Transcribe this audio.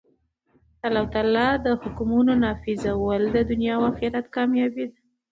د الله تعالی د حکمونو نافذول د دؤنيا او آخرت کاميابي ده.